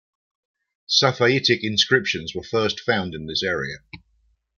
Safaitic inscriptions were first found in this area.